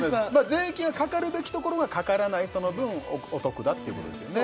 税金がかかるべきところがかからないその分お得だっていうことですよね